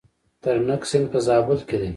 ترنک سیند په زابل کې دی؟